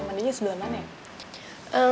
mandinya sebelumannya ya